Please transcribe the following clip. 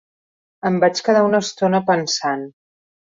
Em vaig quedar una estona pensant.